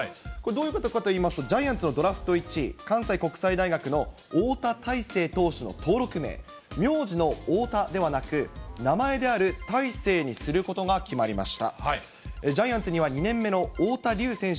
これ、どういうことかといいますと、ジャイアンツのドラフト１位、関西国際大学の扇田大勢投手の登録名、名字のおおたではなく、名前である大勢にすることが決まりました。